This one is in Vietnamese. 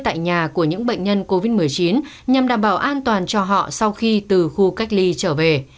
tại nhà của những bệnh nhân covid một mươi chín nhằm đảm bảo an toàn cho họ sau khi từ khu cách ly trở về